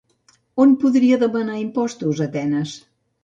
On podria demanar impostos Atenes?